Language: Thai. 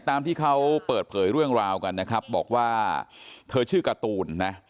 ตามที่เขาเปิดเผยเรื่องราวกันนะครับบอกว่าเธอชื่อการ์ตูนนะ